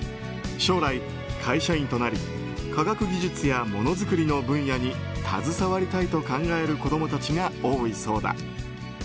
将来会社員となり科学技術やものづくりの分野に携わりたいと考える子供たちが多いそうだ。